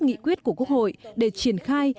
nghị quyết của quốc hội để triển khai